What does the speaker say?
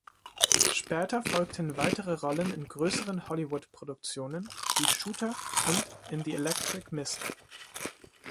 Später folgten weitere Rollen in größeren Hollywoodproduktionen, wie "Shooter" und "In the Electric Mist".